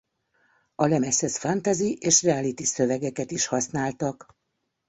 A lemezhez fantasy és reality szövegeket is használtak.